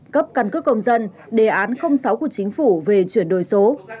cấp căn cước công dân đề án sáu của chính phủ về chuyển đổi số